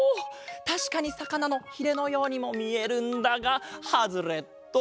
たしかにさかなのひれのようにもみえるんだがハズレット。